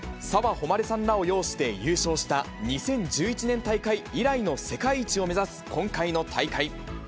穂希さんらを擁して優勝した２０１１年大会以来の世界一を目指す今回の大会。